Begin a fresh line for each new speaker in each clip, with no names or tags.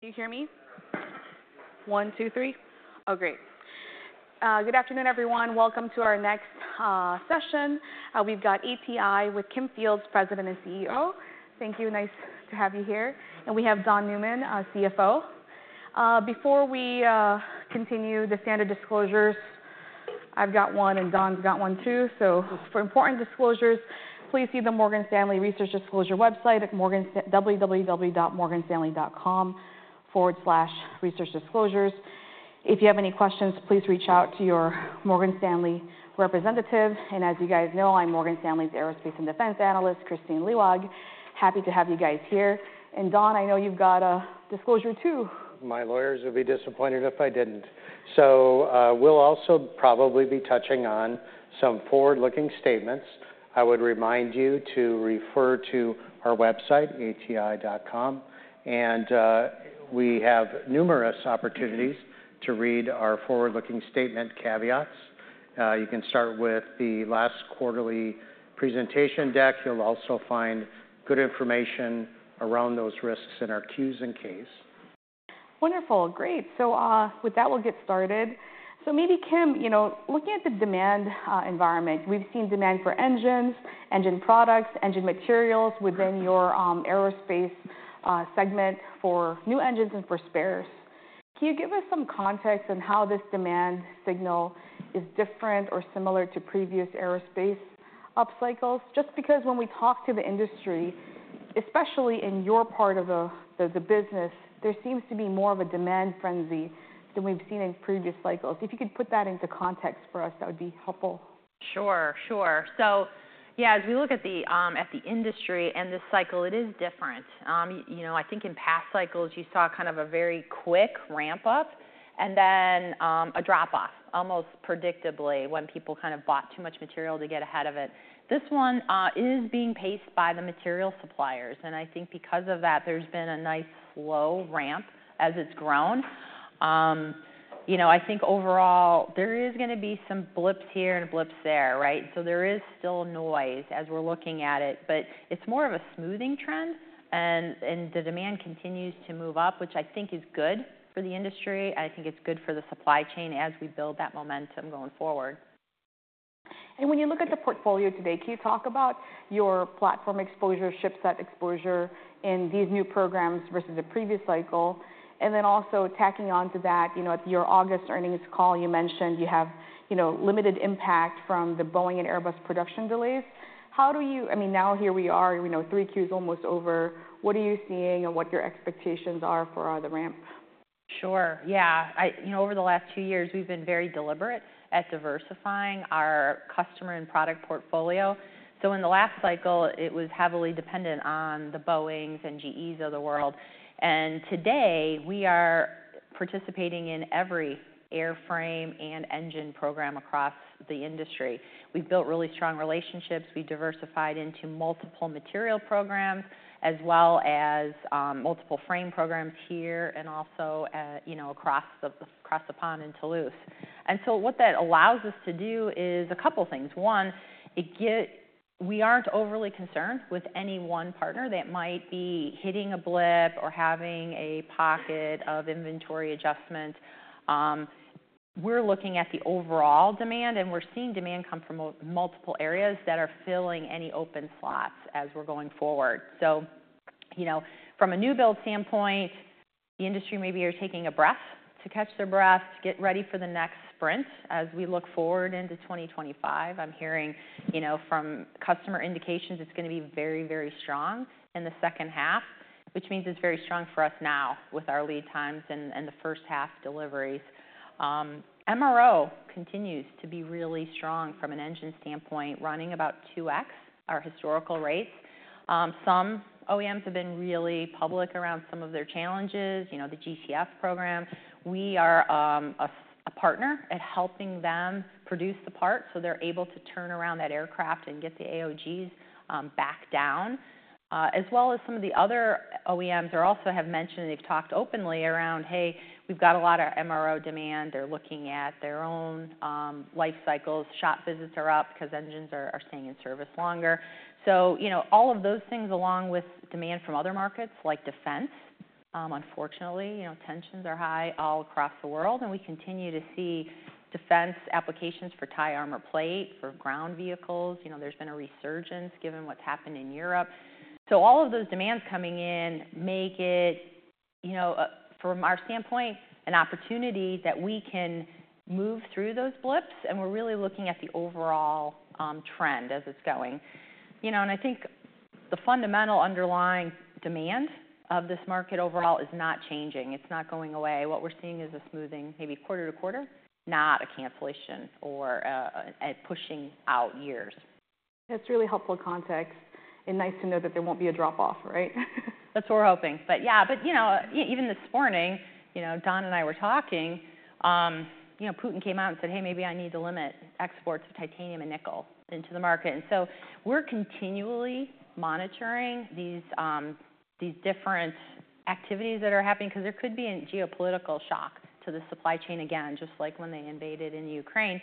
Can you hear me? One, two, three. Oh, great. Good afternoon, everyone. Welcome to our next session. We've got ATI with Kim Fields, President and CEO. Thank you. Nice to have you here. And we have Don Newman, our CFO. Before we continue the standard disclosures, I've got one, and Don's got one, too. So for important disclosures, please see the Morgan Stanley Research Disclosure website at www.morganstanley.com/researchdisclosures. If you have any questions, please reach out to your Morgan Stanley representative. And as you guys know, I'm Morgan Stanley's Aerospace and Defense Analyst, Kristine Liwag. Happy to have you guys here. And Don, I know you've got a disclosure, too.
My lawyers would be disappointed if I didn't. So, we'll also probably be touching on some forward-looking statements. I would remind you to refer to our website, ati.com, and, we have numerous opportunities to read our forward-looking statement caveats. You can start with the last quarterly presentation deck. You'll also find good information around those risks in our Qs and Ks.
Wonderful. Great. So, with that, we'll get started. So maybe, Kim, you know, looking at the demand environment, we've seen demand for engines, engine products, engine materials within your aerospace segment for new engines and for spares. Can you give us some context on how this demand signal is different or similar to previous aerospace upcycles? Just because when we talk to the industry, especially in your part of the business, there seems to be more of a demand frenzy than we've seen in previous cycles. If you could put that into context for us, that would be helpful.
Sure, sure. So yeah, as we look at the industry and this cycle, it is different. You know, I think in past cycles, you saw kind of a very quick ramp-up and then a drop-off, almost predictably, when people kind of bought too much material to get ahead of it. This one is being paced by the material suppliers, and I think because of that, there's been a nice slow ramp as it's grown. You know, I think overall, there is gonna be some blips here and blips there, right? So there is still noise as we're looking at it, but it's more of a smoothing trend, and the demand continues to move up, which I think is good for the industry, and I think it's good for the supply chain as we build that momentum going forward.
When you look at the portfolio today, can you talk about your platform exposure, shipset exposure in these new programs versus the previous cycle? And then also tacking on to that, you know, at your August earnings call, you mentioned you have, you know, limited impact from the Boeing and Airbus production delays. How do you? I mean, now here we are, you know, three Qs almost over, what are you seeing and what your expectations are for the ramp?
Sure. Yeah, you know, over the last two years, we've been very deliberate at diversifying our customer and product portfolio. So in the last cycle, it was heavily dependent on the Boeings and GEs of the world. And today, we are participating in every airframe and engine program across the industry. We've built really strong relationships. We diversified into multiple material programs, as well as multiple frame programs here and also, you know, across the pond in Toulouse. And so what that allows us to do is a couple things. One, we aren't overly concerned with any one partner that might be hitting a blip or having a pocket of inventory adjustment. We're looking at the overall demand, and we're seeing demand come from multiple areas that are filling any open slots as we're going forward. You know, from a new build standpoint, the industry maybe are taking a breath to catch their breath, to get ready for the next sprint. As we look forward into 2025, I'm hearing, you know, from customer indications, it's gonna be very, very strong in the second half, which means it's very strong for us now with our lead times and the first half deliveries. MRO continues to be really strong from an engine standpoint, running about 2X our historical rates. Some OEMs have been really public around some of their challenges, you know, the GTF program. We are a partner at helping them produce the part, so they're able to turn around that aircraft and get the AOGs back down. As well as some of the other OEMs, they also have mentioned, they've talked openly around, "Hey, we've got a lot of MRO demand." They're looking at their own life cycles. Shop visits are up because engines are staying in service longer. So, you know, all of those things, along with demand from other markets like defense, unfortunately, you know, tensions are high all across the world, and we continue to see defense applications for titanium armor plate, for ground vehicles. You know, there's been a resurgence given what's happened in Europe. So all of those demands coming in make it, you know, from our standpoint, an opportunity that we can move through those blips, and we're really looking at the overall trend as it's going. You know, and I think the fundamental underlying demand of this market overall is not changing. It's not going away. What we're seeing is a smoothing, maybe quarter to quarter, not a cancellation or a pushing out years.
That's really helpful context, and nice to know that there won't be a drop-off, right?
That's what we're hoping. But yeah, you know, even this morning, you know, Don and I were talking, you know, Putin came out and said: Hey, maybe I need to limit exports of titanium and nickel into the market. And so we're continually monitoring these different activities that are happening because there could be a geopolitical shock to the supply chain again, just like when they invaded in Ukraine.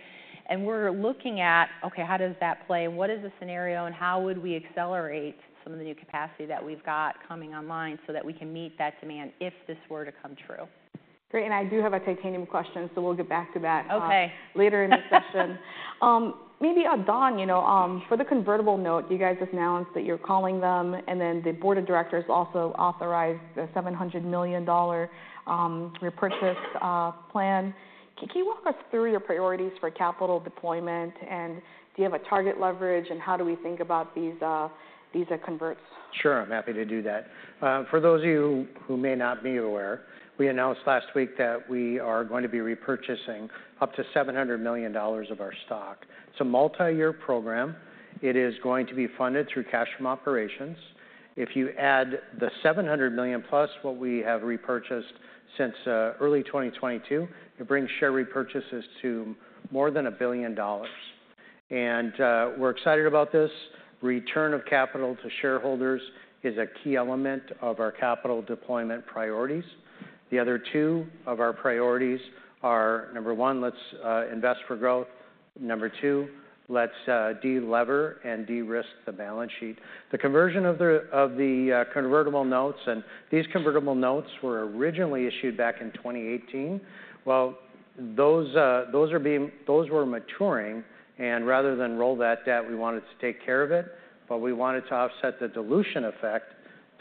And we're looking at, okay, how does that play? What is the scenario, and how would we accelerate some of the new capacity that we've got coming online so that we can meet that demand if this were to come true?...
Great, and I do have a titanium question, so we'll get back to that-
Okay.
Later in the session. Maybe, Don, you know, for the convertible note, you guys just announced that you're calling them, and then the board of directors also authorized a $700 million repurchase plan. Can you walk us through your priorities for capital deployment, and do you have a target leverage, and how do we think about these, these converts?
Sure, I'm happy to do that. For those of you who may not be aware, we announced last week that we are going to be repurchasing up to $700 million of our stock. It's a multi-year program. It is going to be funded through cash from operations. If you add the $700 million, plus what we have repurchased since early 2022, it brings share repurchases to more than $1 billion. We're excited about this. Return of capital to shareholders is a key element of our capital deployment priorities. The other two of our priorities are, number one, let's invest for growth. Number two, let's de-lever and de-risk the balance sheet. The conversion of the convertible notes, and these convertible notes were originally issued back in 2018. Those were maturing, and rather than roll that debt, we wanted to take care of it, but we wanted to offset the dilution effect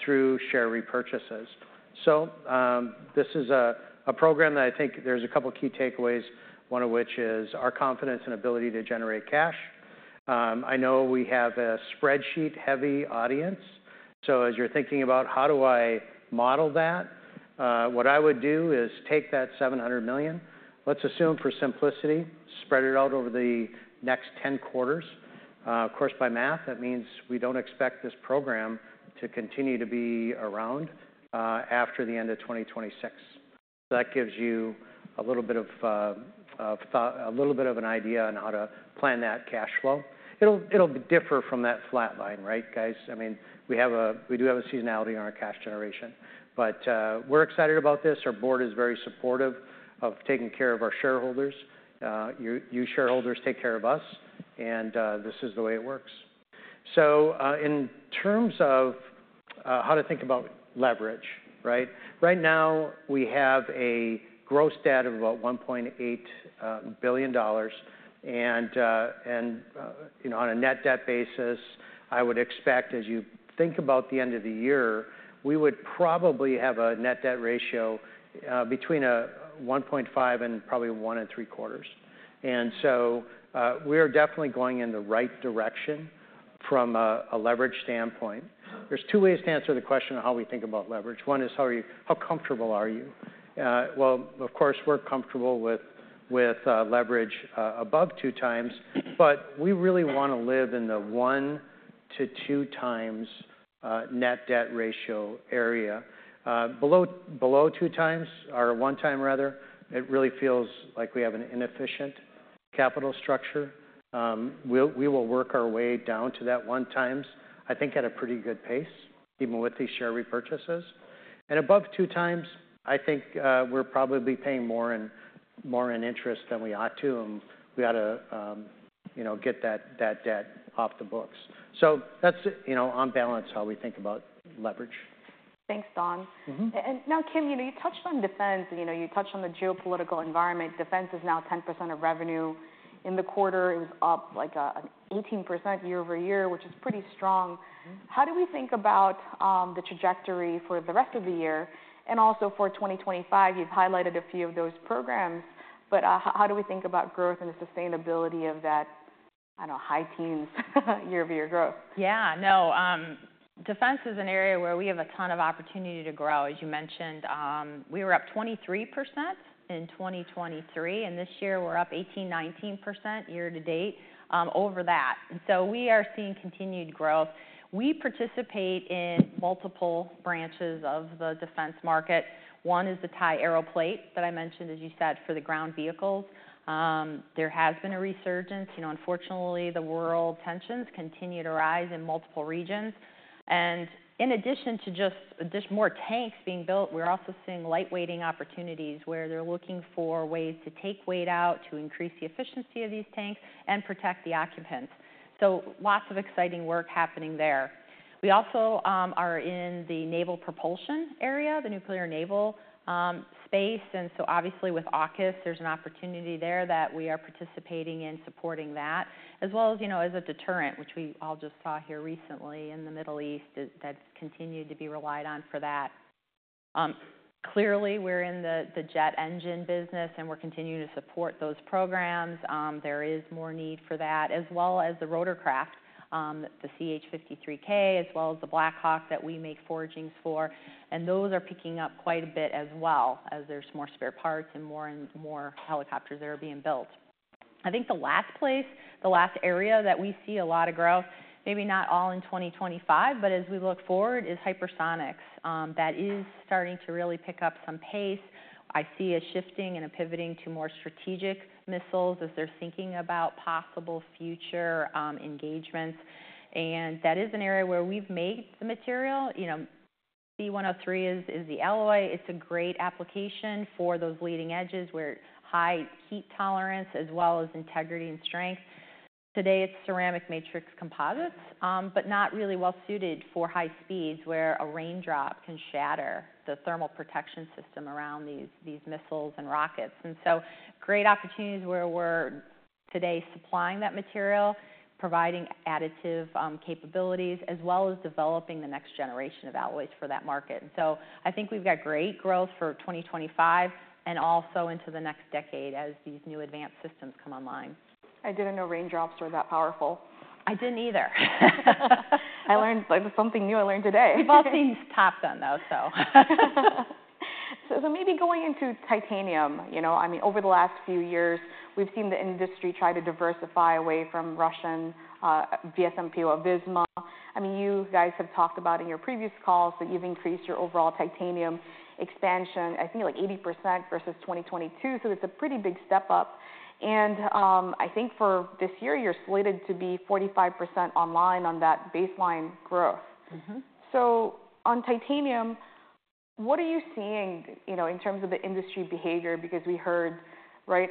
through share repurchases. This is a program that I think there's a couple key takeaways, one of which is our confidence and ability to generate cash. I know we have a spreadsheet-heavy audience, so as you're thinking about: How do I model that? What I would do is take that $700 million. Let's assume, for simplicity, spread it out over the next 10 quarters. Of course, by math, that means we don't expect this program to continue to be around after the end of 2026. So that gives you a little bit of an idea on how to plan that cash flow. It'll differ from that flat line, right, guys? I mean, we have a seasonality in our cash generation. But we're excited about this. Our board is very supportive of taking care of our shareholders. You shareholders take care of us, and this is the way it works. So in terms of how to think about leverage, right? Right now, we have a gross debt of about $1.8 billion, and you know, on a net debt basis, I would expect, as you think about the end of the year, we would probably have a net debt ratio between 1.5 and 1.75. So we are definitely going in the right direction from a leverage standpoint. There's two ways to answer the question of how we think about leverage. One is, how comfortable are you? Well, of course, we're comfortable with leverage above two times, but we really wanna live in the one to two times net debt ratio area. Below two times or one time, rather, it really feels like we have an inefficient capital structure. We will work our way down to that one times, I think, at a pretty good pace, even with these share repurchases. Above two times, I think, we're probably paying more and more in interest than we ought to, and we gotta, you know, get that debt off the books. So that's, you know, on balance, how we think about leverage.
Thanks, Don.
Mm-hmm.
Now, Kim, you know, you touched on defense, and, you know, you touched on the geopolitical environment. Defense is now 10% of revenue. In the quarter, it was up, like, 18% year over year, which is pretty strong.
Mm-hmm.
How do we think about the trajectory for the rest of the year and also for twenty twenty-five? You've highlighted a few of those programs, but how do we think about growth and the sustainability of that, I don't know, high teens year-over-year growth?
Yeah. No, defense is an area where we have a ton of opportunity to grow. As you mentioned, we were up 23% in 2023, and this year we're up 18%-19% year to date over that. So we are seeing continued growth. We participate in multiple branches of the defense market. One is the titanium armor plate that I mentioned, as you said, for the ground vehicles. There has been a resurgence. You know, unfortunately, the world tensions continue to rise in multiple regions. And in addition to just more tanks being built, we're also seeing lightweighting opportunities, where they're looking for ways to take weight out, to increase the efficiency of these tanks and protect the occupants. So lots of exciting work happening there. We also are in the naval propulsion area, the nuclear naval space, and so obviously with AUKUS, there's an opportunity there that we are participating in supporting that, as well as, you know, as a deterrent, which we all just saw here recently in the Middle East, that's continued to be relied on for that. Clearly, we're in the jet engine business, and we're continuing to support those programs. There is more need for that, as well as the rotorcraft, the CH-53K, as well as the Black Hawk that we make forgings for, and those are picking up quite a bit as well, as there's more spare parts and more and more helicopters that are being built. I think the last place, the last area that we see a lot of growth, maybe not all in 2025, but as we look forward, is hypersonics. That is starting to really pick up some pace. I see a shifting and a pivoting to more strategic missiles as they're thinking about possible future engagements, and that is an area where we've made the material. You know, C-103 is the alloy. It's a great application for those leading edges, where high heat tolerance as well as integrity and strength. Today, it's ceramic matrix composites, but not really well-suited for high speeds, where a raindrop can shatter the thermal protection system around these missiles and rockets. And so great opportunities where we're today supplying that material, providing additive capabilities, as well as developing the next generation of alloys for that market. I think we've got great growth for 2025, and also into the next decade as these new advanced systems come online.
I didn't know raindrops were that powerful.
I didn't either.
That was something new I learned today.
We've all seen Top Gun, though, so.
Maybe going into titanium. You know, I mean, over the last few years, we've seen the industry try to diversify away from Russian VSMPO-AVISMA. I mean, you guys have talked about in your previous calls that you've increased your overall titanium expansion, I think, like, 80% versus 2022, so it's a pretty big step up. I think for this year, you're slated to be 45% online on that baseline growth.
Mm-hmm.
So on titanium, what are you seeing, you know, in terms of the industry behavior? Because we heard, right,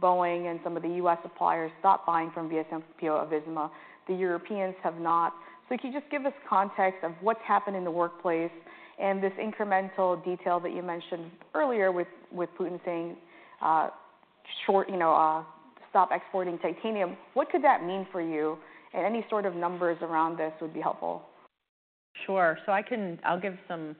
Boeing and some of the US suppliers stop buying from VSMPO-AVISMA. The Europeans have not. So can you just give us context of what's happened in the marketplace and this incremental detail that you mentioned earlier with Putin saying, you know, stop exporting titanium. What could that mean for you? And any sort of numbers around this would be helpful.
Sure. So I can-- I'll give some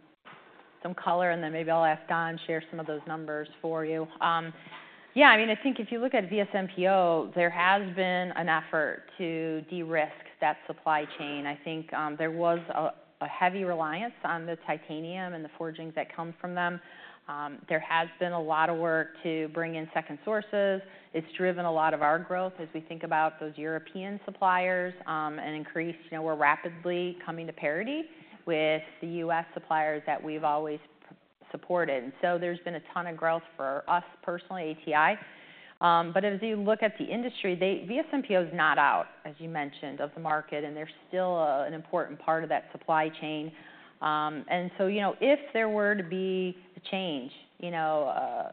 color, and then maybe I'll ask Don to share some of those numbers for you. Yeah, I mean, I think if you look at VSMPO, there has been an effort to de-risk that supply chain. I think there was a heavy reliance on the titanium and the forgings that come from them. There has been a lot of work to bring in second sources. It's driven a lot of our growth as we think about those European suppliers and increase. You know, we're rapidly coming to parity with the US suppliers that we've always supported. So there's been a ton of growth for us personally, ATI. But as you look at the industry, they-- VSMPO is not out, as you mentioned, of the market, and they're still an important part of that supply chain. And so, you know, if there were to be a change, you know,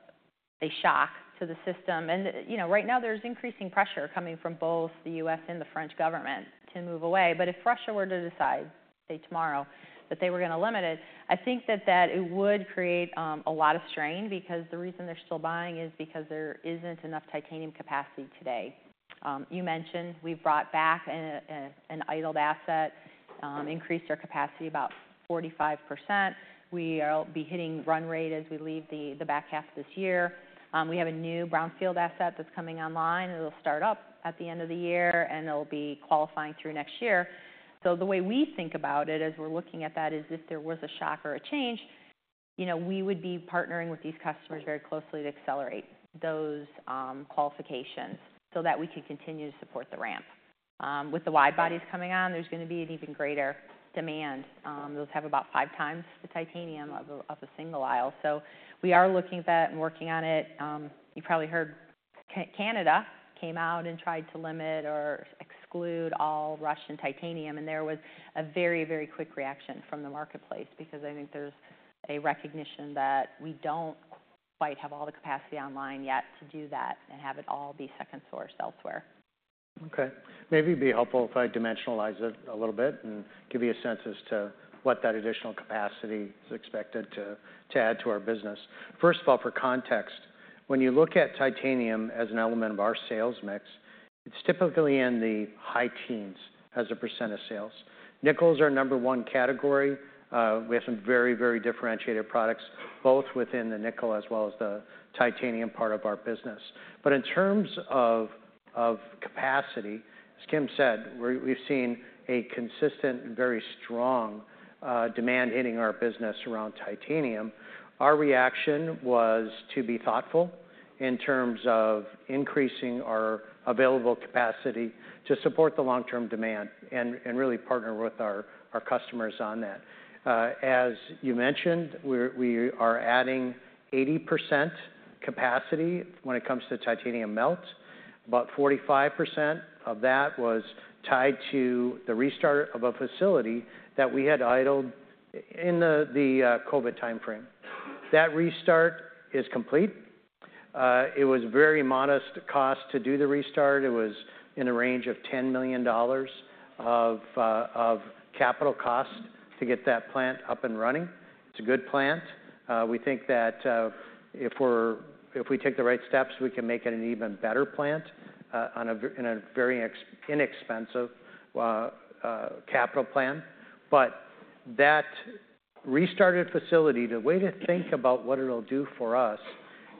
a shock to the system. And, you know, right now there's increasing pressure coming from both the US and the French government to move away. But if Russia were to decide, say tomorrow, that they were gonna limit it, I think that it would create a lot of strain, because the reason they're still buying is because there isn't enough titanium capacity today. You mentioned we've brought back an idled asset, increased our capacity about 45%. We are hitting run rate as we leave the back half this year. We have a new brownfield asset that's coming online, and it'll start up at the end of the year, and it'll be qualifying through next year. So the way we think about it, as we're looking at that, is if there was a shock or a change, you know, we would be partnering with these customers very closely to accelerate those qualifications so that we can continue to support the ramp. With the wide bodies coming on, there's gonna be an even greater demand. Those have about five times the titanium of a single aisle. So we are looking at that and working on it. You probably heard Canada came out and tried to limit or exclude all Russian titanium, and there was a very, very quick reaction from the marketplace because I think there's a recognition that we don't quite have all the capacity online yet to do that and have it all be second-sourced elsewhere.
Okay. Maybe it'd be helpful if I dimensionalize it a little bit and give you a sense as to what that additional capacity is expected to add to our business. First of all, for context, when you look at titanium as an element of our sales mix, it's typically in the high teens% of sales. Nickels are our number one category. We have some very, very differentiated products, both within the nickel as well as the titanium part of our business. But in terms of capacity, as Kim said, we've seen a consistent and very strong demand hitting our business around titanium. Our reaction was to be thoughtful in terms of increasing our available capacity to support the long-term demand and really partner with our customers on that. As you mentioned, we're, we are adding 80% capacity when it comes to titanium melt. About 45% of that was tied to the restart of a facility that we had idled in the COVID timeframe. That restart is complete. It was very modest cost to do the restart. It was in a range of $10 million of capital cost to get that plant up and running. It's a good plant. We think that if we take the right steps, we can make it an even better plant in a very inexpensive capital plan. But that restarted facility, the way to think about what it'll do for us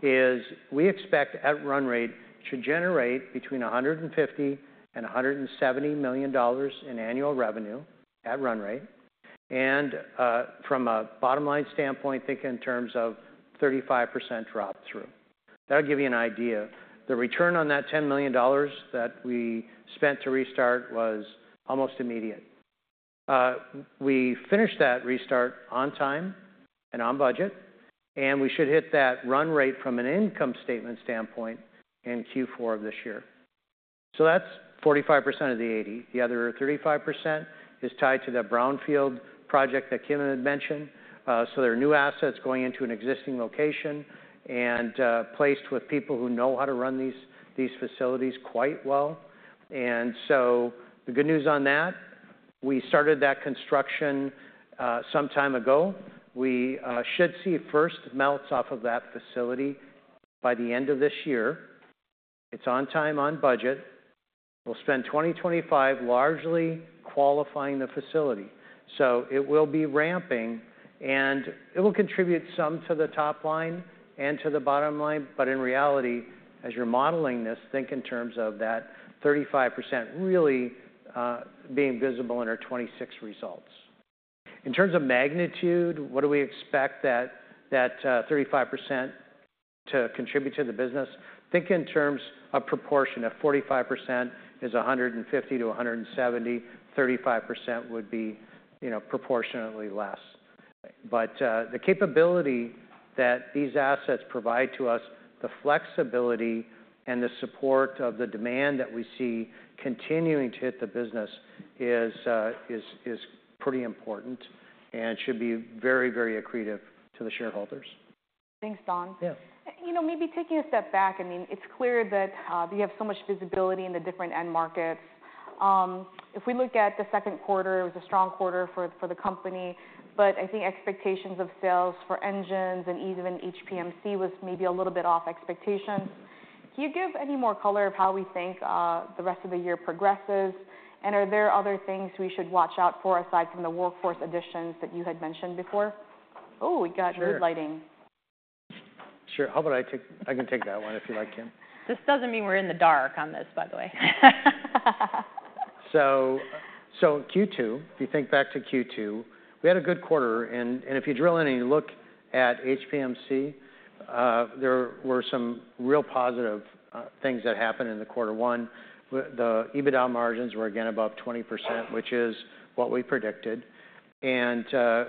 is we expect, at run rate, to generate between $150 million and $170 million in annual revenue at run rate. And from a bottom-line standpoint, think in terms of 35% drop through. That'll give you an idea. The return on that $10 million that we spent to restart was almost immediate. We finished that restart on time and on budget, and we should hit that run rate from an income statement standpoint in Q4 of this year. So that's 45% of the eighty. The other 35% is tied to the brownfield project that Kim had mentioned. So there are new assets going into an existing location and placed with people who know how to run these facilities quite well. The good news on that. We started that construction some time ago. We should see first melts off of that facility by the end of this year. It's on time, on budget. We'll spend 2025 largely qualifying the facility. So it will be ramping, and it will contribute some to the top line and to the bottom line. But in reality, as you're modeling this, think in terms of that 35% really being visible in our 2026 results. In terms of magnitude, what do we expect that 35% to contribute to the business? Think in terms of a proportion of 45% is $150 million-$170 million, 35% would be, you know, proportionately less. The capability that these assets provide to us, the flexibility and the support of the demand that we see continuing to hit the business is pretty important and should be very, very accretive to the shareholders.
Thanks, Don.
Yeah.
You know, maybe taking a step back, I mean, it's clear that we have so much visibility in the different end markets. If we look at the second quarter, it was a strong quarter for the company, but I think expectations of sales for engines and even HPMC was maybe a little bit off expectations. Can you give any more color of how we think the rest of the year progresses, and are there other things we should watch out for, aside from the workforce additions that you had mentioned before? Oh, we got mood lighting.
Sure. How about I can take that one if you like, Kim.
This doesn't mean we're in the dark on this, by the way.
So, Q2, if you think back to Q2, we had a good quarter, and if you drill in and you look at HPMC, there were some real positive things that happened in the quarter. One, the EBITDA margins were again above 20%, which is what we predicted. As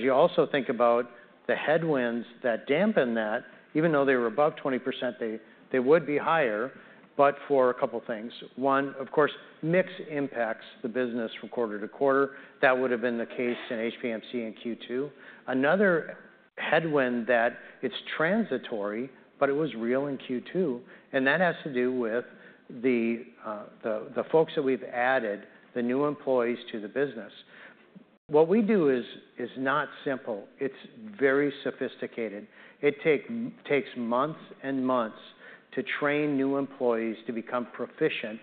you also think about the headwinds that dampened that, even though they were above 20%, they would be higher, but for a couple things. One, of course, mix impacts the business from quarter to quarter. That would have been the case in HPMC in Q2. Another headwind that it's transitory, but it was real in Q2, and that has to do with the folks that we've added, the new employees to the business. What we do is not simple. It's very sophisticated. It takes months and months to train new employees to become proficient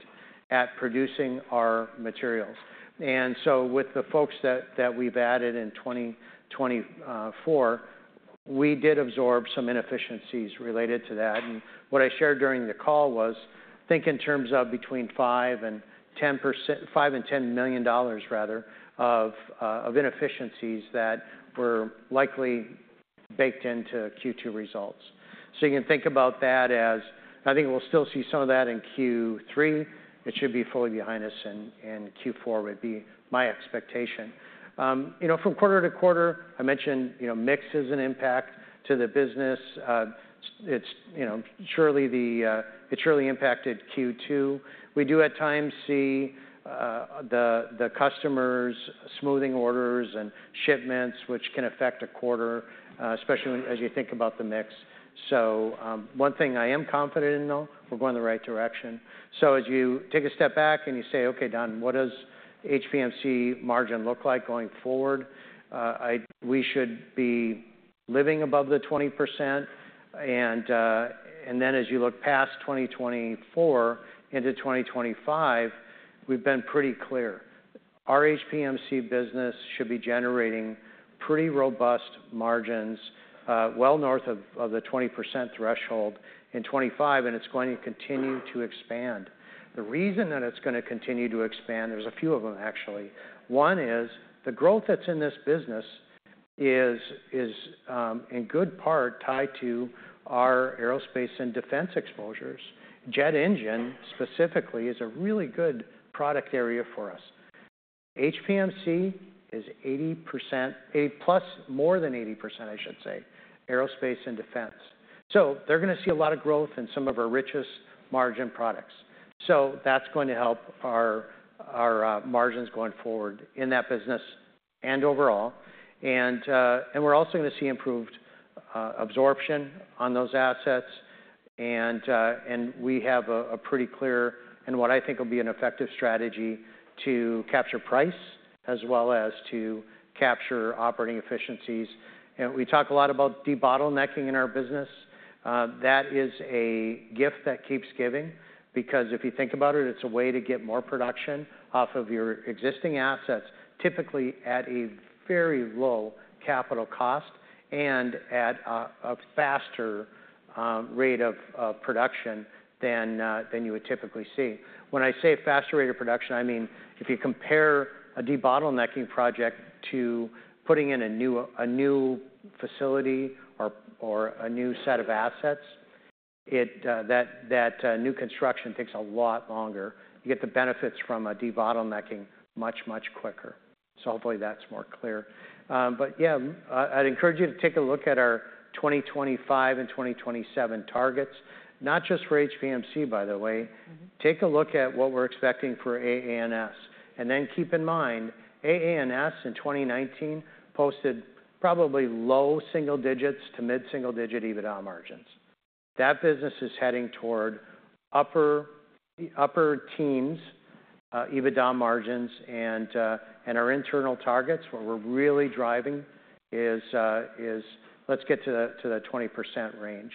at producing our materials. And so with the folks that we've added in 2024, we did absorb some inefficiencies related to that. And what I shared during the call was, think in terms of between $5 million- $10 million rather, of inefficiencies that were likely baked into Q2 results. So you can think about that. I think we'll still see some of that in Q3. It should be fully behind us in Q4, would be my expectation. You know, from quarter to quarter, I mentioned, you know, mix is an impact to the business. It's, you know, surely it surely impacted Q2. We do at times see the customers smoothing orders and shipments, which can affect a quarter, especially as you think about the mix. So, one thing I am confident in, though, we're going in the right direction. So as you take a step back and you say, "Okay, Don, what does HPMC margin look like going forward?" I. We should be living above the 20%. And, and then as you look past 2024 into 2025, we've been pretty clear. Our HPMC business should be generating pretty robust margins, well north of the 20% threshold in twenty-five, and it's going to continue to expand. The reason that it's gonna continue to expand, there's a few of them, actually. One is, the growth that's in this business is in good part tied to our aerospace and defense exposures. Jet engine, specifically, is a really good product area for us. HPMC is 80%, 80% plus, more than 80%, I should say, aerospace and defense. So they're gonna see a lot of growth in some of our richest margin products. So that's going to help our margins going forward in that business and overall. And we're also going to see improved absorption on those assets. And we have a pretty clear and what I think will be an effective strategy to capture price, as well as to capture operating efficiencies. And we talk a lot about debottlenecking in our business. That is a gift that keeps giving, because if you think about it, it's a way to get more production off of your existing assets, typically at a very low capital cost and at a faster rate of production than you would typically see. When I say a faster rate of production, I mean, if you compare a debottlenecking project to putting in a new facility or a new set of assets, that new construction takes a lot longer. You get the benefits from a debottlenecking much quicker. So hopefully that's more clear. But yeah, I'd encourage you to take a look at our 2025 and 2027 targets, not just for HPMC, by the way.
Mm-hmm.
Take a look at what we're expecting for AA&S. And then keep in mind, AA&S in 2019 posted probably low single digits to mid-single digit EBITDA margins... That business is heading toward upper teens EBITDA margins. And our internal targets, where we're really driving, is let's get to the 20% range.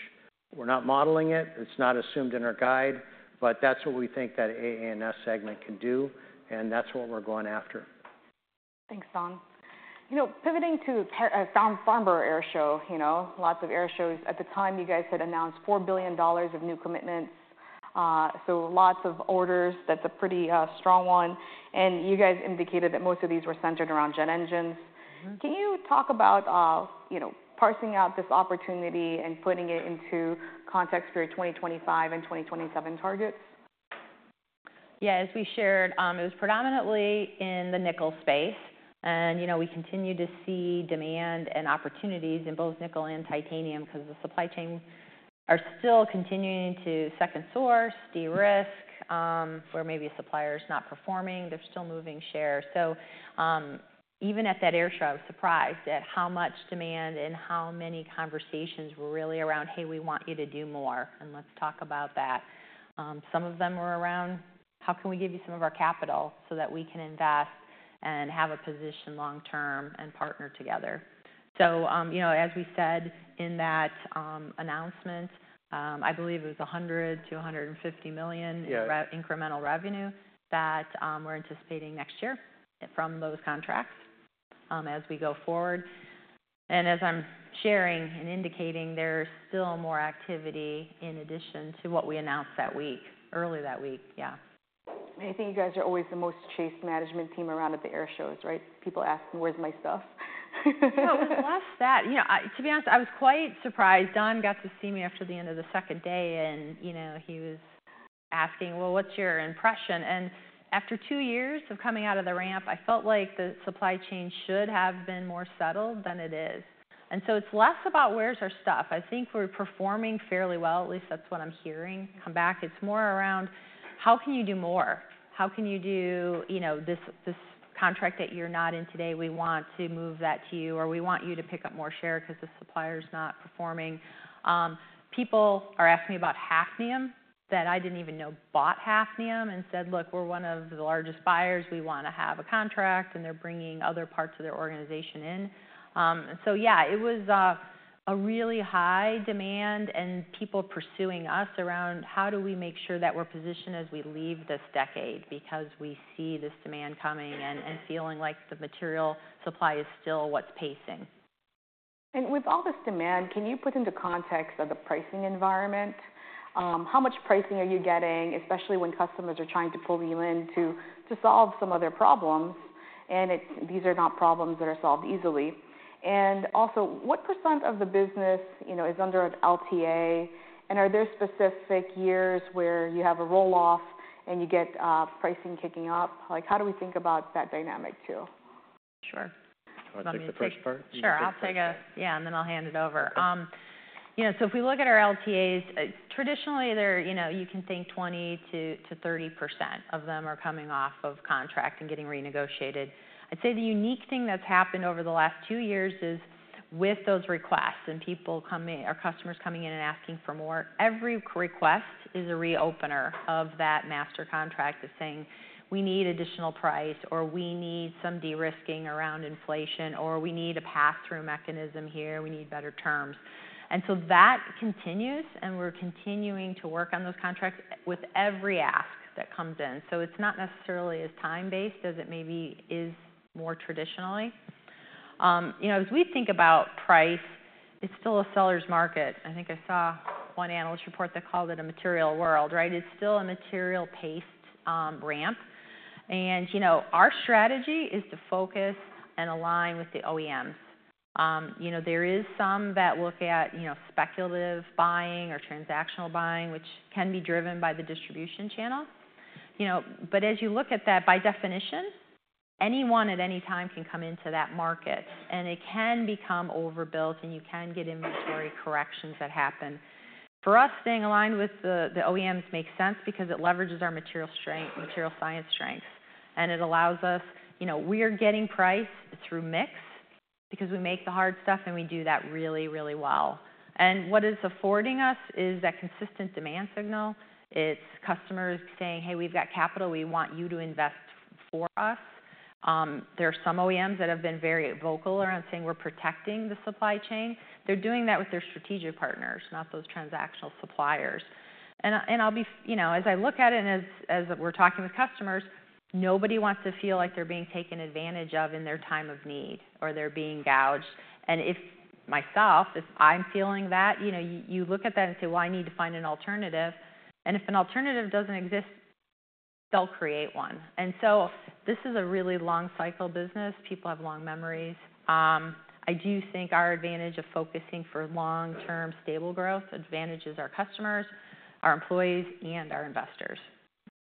We're not modeling it, it's not assumed in our guide, but that's what we think that AA&S segment can do, and that's what we're going after.
Thanks, Don. You know, pivoting to Farnborough Airshow, you know, lots of air shows. At the time, you guys had announced $4 billion of new commitments, so lots of orders. That's a pretty strong one, and you guys indicated that most of these were centered around jet engines.
Mm-hmm.
Can you talk about, you know, parsing out this opportunity and putting it into context for your twenty twenty-five and twenty twenty-seven targets?
Yeah, as we shared, it was predominantly in the nickel space. And, you know, we continue to see demand and opportunities in both nickel and titanium because the supply chain are still continuing to second source, de-risk, where maybe a supplier is not performing, they're still moving share. So, even at that air show, I was surprised at how much demand and how many conversations were really around, "Hey, we want you to do more, and let's talk about that." Some of them were around: "How can we give you some of our capital so that we can invest and have a position long term and partner together?" So, you know, as we said in that announcement, I believe it was $100 million-$150 million-
Yeah
Incremental revenue that we're anticipating next year from those contracts, as we go forward. And as I'm sharing and indicating, there's still more activity in addition to what we announced that week, early that week. Yeah.
I think you guys are always the most chased management team around at the air shows, right? People asking, "Where's my stuff?
No, it was less that. You know, I-- to be honest, I was quite surprised. Don got to see me after the end of the second day and, you know, he was asking: "Well, what's your impression?" And after two years of coming out of the ramp, I felt like the supply chain should have been more settled than it is. And so it's less about, "Where's our stuff?" I think we're performing fairly well, at least that's what I'm hearing come back. It's more around: "How can you do more? How can you do... You know, this, this contract that you're not in today, we want to move that to you, or we want you to pick up more share because the supplier's not performing." People are asking me about hafnium, that I didn't even know bought hafnium, and said, "Look, we're one of the largest buyers. We want to have a contract," and they're bringing other parts of their organization in. So yeah, it was a really high demand and people pursuing us around, "How do we make sure that we're positioned as we leave this decade? Because we see this demand coming and feeling like the material supply is still what's pacing.
With all this demand, can you put into context of the pricing environment? How much pricing are you getting, especially when customers are trying to pull you in to solve some of their problems, and these are not problems that are solved easily. Also, what % of the business, you know, is under an LTA, and are there specific years where you have a roll-off and you get pricing kicking up? Like, how do we think about that dynamic, too?
Sure.
Wanna take the first part?
Sure, I'll take a-
You take the first part.
Yeah, and then I'll hand it over.
Okay.
You know, so if we look at our LTAs, traditionally, they're, you know, you can think 20%-30% of them are coming off of contract and getting renegotiated. I'd say the unique thing that's happened over the last two years is, with those requests and people coming, or customers coming in and asking for more, every request is a reopener of that master contract to saying, "We need additional price," or, "We need some de-risking around inflation," or, "We need a pass-through mechanism here. We need better terms." And so that continues, and we're continuing to work on those contracts with every ask that comes in. So it's not necessarily as time-based as it maybe is more traditionally. You know, as we think about price, it's still a seller's market. I think I saw one analyst report that called it a material world, right? It's still a material-paced ramp. And you know, our strategy is to focus and align with the OEMs. You know, there is some that look at, you know, speculative buying or transactional buying, which can be driven by the distribution channel. You know, but as you look at that, by definition, anyone at any time can come into that market, and it can become overbuilt, and you can get inventory corrections that happen. For us, staying aligned with the OEMs makes sense because it leverages our material strength, material science strength, and it allows us. You know, we are getting price through mix because we make the hard stuff, and we do that really, really well. And what it's affording us is that consistent demand signal. It's customers saying: "Hey, we've got capital. We want you to invest for us." There are some OEMs that have been very vocal around saying, "We're protecting the supply chain." They're doing that with their strategic partners, not those transactional suppliers. And I'll be-- you know, as I look at it and as we're talking with customers, nobody wants to feel like they're being taken advantage of in their time of need or they're being gouged. And if I'm feeling that, you know, you look at that and say, "Well, I need to find an alternative." And if an alternative doesn't exist, they'll create one. And so this is a really long cycle business. People have long memories. I do think our advantage of focusing for long-term, stable growth advantages our customers, our employees, and our investors.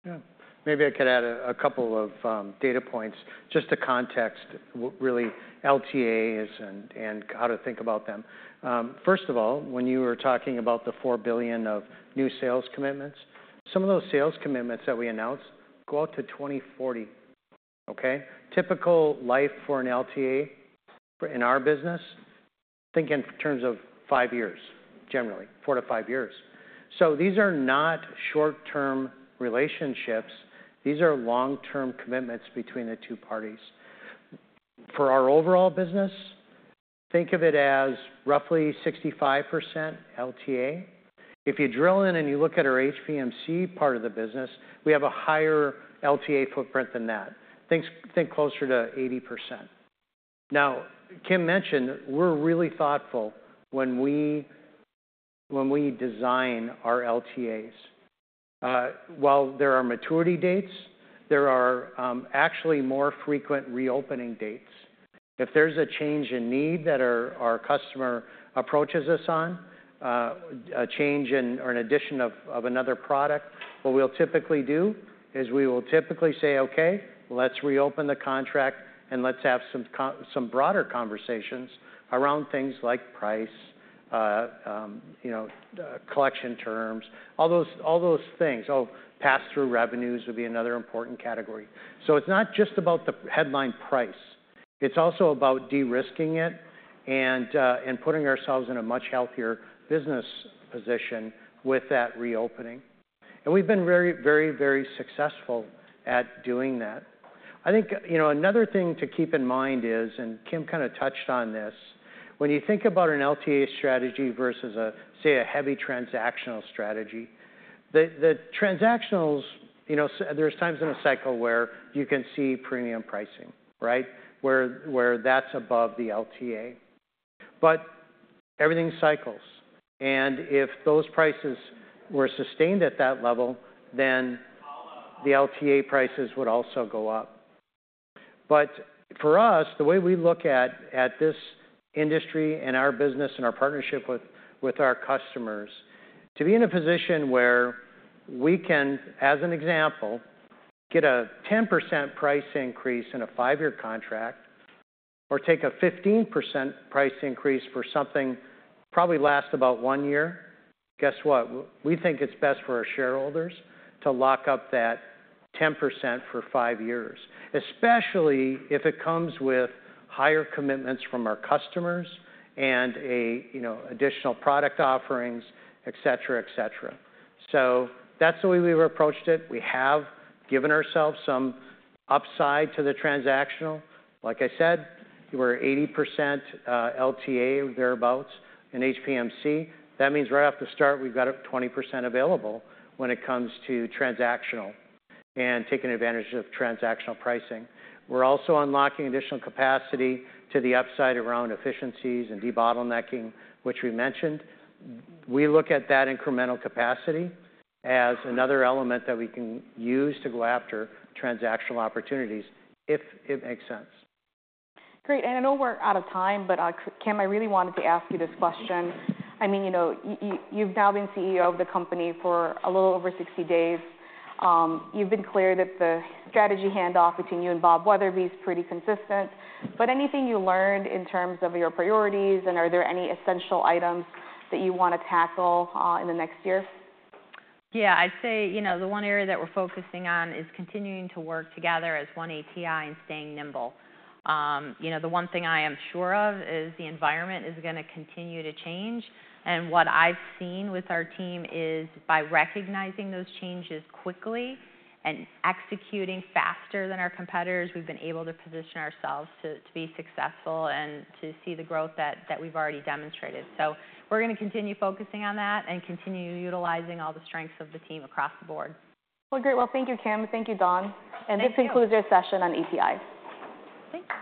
Yeah. Maybe I could add a couple of data points just to context what really LTAs and how to think about them. First of all, when you were talking about the $4 billion of new sales commitments, some of those sales commitments that we announced go out to 2040. Okay? Typical life for an LTA in our business, think in terms of five years, generally, four to five years. So these are not short-term relationships. These are long-term commitments between the two parties. For our overall business, think of it as roughly 65% LTA. If you drill in and you look at our HPMC part of the business, we have a higher LTA footprint than that. Think closer to 80%. Now, Kim mentioned we're really thoughtful when we design our LTAs. While there are maturity dates, there are actually more frequent reopening dates. If there's a change in need that our customer approaches us on, a change in or an addition of another product, what we'll typically do is we will typically say, "Okay, let's reopen the contract, and let's have some broader conversations around things like price, you know, collection terms," all those things. Oh, pass-through revenues would be another important category. So it's not just about the headline price. It's also about de-risking it and putting ourselves in a much healthier business position with that reopening. And we've been very, very, very successful at doing that. I think, you know, another thing to keep in mind is, and Kim kind of touched on this, when you think about an LTA strategy versus a, say, a heavy transactional strategy, the transactionals, you know, there's times in a cycle where you can see premium pricing, right? Where, where that's above the LTA. But everything cycles, and if those prices were sustained at that level, then the LTA prices would also go up. But for us, the way we look at, at this industry and our business and our partnership with, with our customers, to be in a position where we can, as an example, get a 10% price increase in a five-year contract or take a 15% price increase for something probably lasts about one year, guess what? We think it's best for our shareholders to lock up that 10% for five years, especially if it comes with higher commitments from our customers and a, you know, additional product offerings, et cetera, et cetera. So that's the way we've approached it. We have given ourselves some upside to the transactional. Like I said, we're 80%, LTA, thereabouts, in HPMC. That means right off the start, we've got 20% available when it comes to transactional and taking advantage of transactional pricing. We're also unlocking additional capacity to the upside around efficiencies and de-bottlenecking, which we mentioned. We look at that incremental capacity as another element that we can use to go after transactional opportunities if it makes sense.
Great, and I know we're out of time, but, Kim, I really wanted to ask you this question. I mean, you know, you've now been CEO of the company for a little over sixty days. You've been clear that the strategy handoff between you and Bob Wetherbee is pretty consistent. But anything you learned in terms of your priorities, and are there any essential items that you want to tackle, in the next year?
Yeah, I'd say, you know, the one area that we're focusing on is continuing to work together as One ATI and staying nimble. You know, the one thing I am sure of is the environment is gonna continue to change, and what I've seen with our team is by recognizing those changes quickly and executing faster than our competitors, we've been able to position ourselves to be successful and to see the growth that we've already demonstrated. So we're gonna continue focusing on that and continue utilizing all the strengths of the team across the board.
Well, great. Well, thank you, Kim. Thank you, Don.
Thank you.
This concludes our session on ATI.
Thanks.